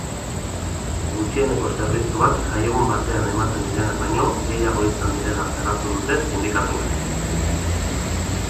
Gutxieneko zerbitzuak jaiegun batean ematen direnak baino gehiago izan direla salatu dute sindikatuek.